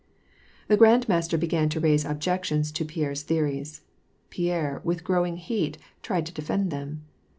The Grand Master began to raise objections to Pierre's theories. Pierre, with growing heat, tried to defend them.